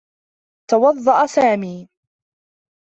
توضّأ سامي.